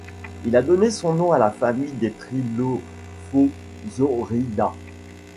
Il a donné son nom à la famille des Trilophosauridae.